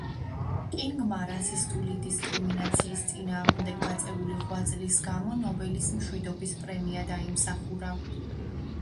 კინგმა რასისტული დისკრიმინაციის წინააღმდეგ გაწეული ღვაწლის გამო ნობელის მშვიდობის პრემია დაიმსახურა.